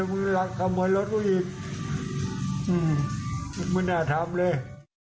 ไม่น่าทำเลย